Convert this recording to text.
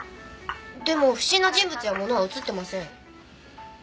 でも不審な人物や物は映っていません。